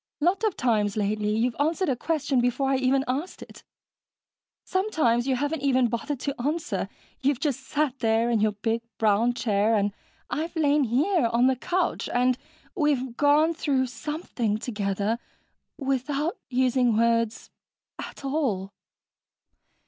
Lot of times, lately, you've answered a question before I even asked it. Sometimes you haven't even bothered to answer you've just sat there in your big brown chair and I've lain here on the couch, and we've gone through something together without using words at all...."